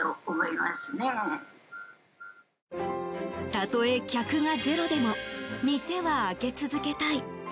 たとえ客がゼロでも店は開け続けたい。